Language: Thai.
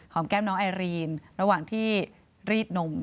แก้วน้องไอรีนระหว่างที่รีดนม